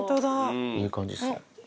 いい感じっすね。